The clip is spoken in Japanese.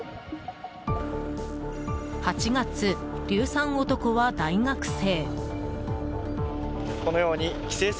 ８月、硫酸男は大学生。